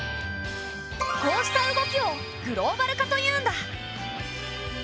こうした動きをグローバル化というんだ。